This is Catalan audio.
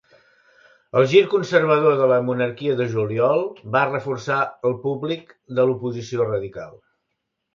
El gir conservador de la Monarquia de Juliol va reforçar el públic de l'oposició radical.